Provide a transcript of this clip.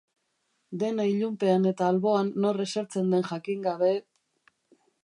Dena ilunpean eta alboan nor esertzen den jakin gabe...